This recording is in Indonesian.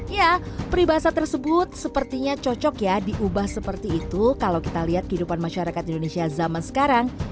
ya peribahasa tersebut sepertinya cocok ya diubah seperti itu kalau kita lihat kehidupan masyarakat indonesia zaman sekarang